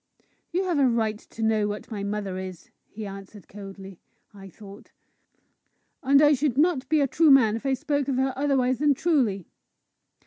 "You have a right to know what my mother is," he answered coldly, I thought; "and I should not be a true man if I spoke of her otherwise than truly."